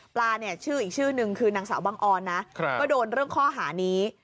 เนี่ยชื่ออีกชื่อนึงคือนางสาวบังออนนะก็โดนเรื่องข้อหานี้